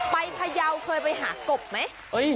พยาวเคยไปหากบไหม